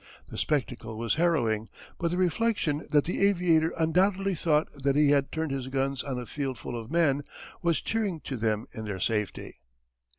The spectacle was harrowing, but the reflection that the aviator undoubtedly thought that he had turned his guns on a field full of men was cheering to them in their safety.